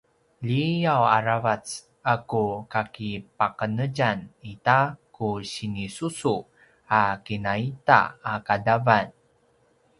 liyav aravac a ku kakipaqenetjan i ta ku sinisusu a kinaita a qadavan